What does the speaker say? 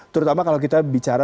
terutama kalau kita bicara